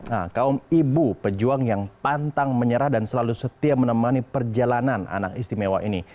nah kaum ibu pejuang yang pantang menyerah dan selalu setia menemani perjalanan anak istimewa ini